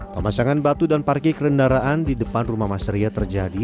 pemasangan batu dan parkir kendaraan di depan rumah mas ria terjadi